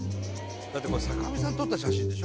だってこれ坂上さん撮った写真でしょ？